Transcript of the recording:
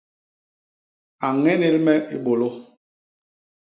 A ññénél me i bôlô.